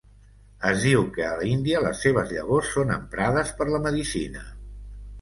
Es diu que a l'Índia les seves llavors són emprades per la medicina.